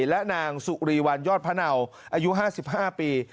และนางสุรีวรรณยอดพระเนาอายุห้าสิบห้าปี